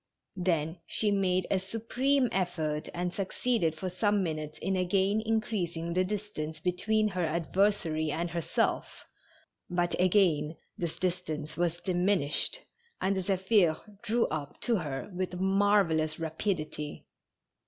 Then she made a supreme effort and succeeded for some minutes in again increasing the distance between her adversary and herself; but again this distance was 220 TASTING THE DRINK. diminislied, and the Zephir drew up to her with marvel lous rapidity.